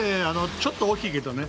ちょっと大きいけどね。